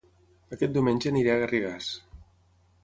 Aquest diumenge aniré a Garrigàs